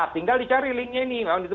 tinggal dicari linknya ini